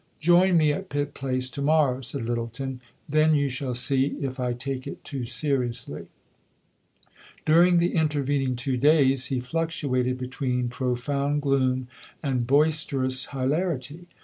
"Join me at Pit Place to morrow," said Lyttelton. "Then you shall see if I take it too seriously." During the intervening two days he fluctuated between profound gloom and boisterous hilarity.